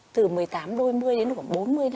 từ một mươi tám đôi mươi đến được khoảng bốn mươi năm mươi